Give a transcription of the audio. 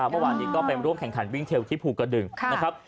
เมื่อวานนี้ก็ไปร่วมแข่งขันวิ่งเทลที่ภูกระดึงนะครับ